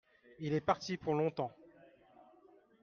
il est parti pour logntemps.